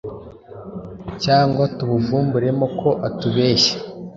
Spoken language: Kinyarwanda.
cyangwa tuvumburemo ko utubeshya.